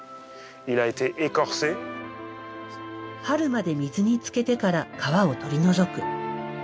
春まで水につけてから皮を取り除く。